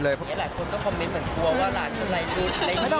แล้วหลายคนจะคอมมิ้นเหมือนกัน